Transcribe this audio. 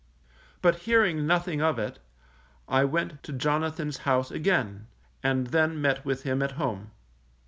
But hearing nothing of it, I went to Jonathan's house again, and then met with him at home.